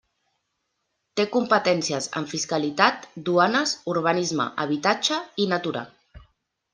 Té competències en fiscalitat, duanes, urbanisme, habitatge i natura.